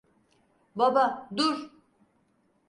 Baba, dur!